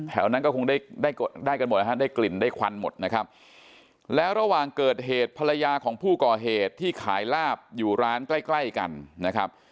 แถวนั้นก็คงได้ได้กันหมดนะฮะได้กลิ่นได้ควันหมดนะครับแล้วระหว่างเกิดเหตุภรรยาของผู้ก่อเหตุที่ขายลาบอยู่ร้านใกล้ใกล้กันนะครับ